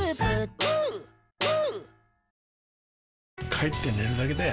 帰って寝るだけだよ